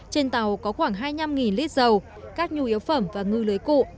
trên tàu có khoảng hai mươi năm lít dầu các nhu yếu phẩm và ngư lưới cụ